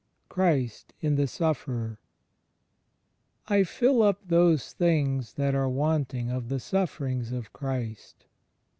XI CHRIST IN THE SUFFERER / fill Up those things that are wanting of the sufferings of Christ.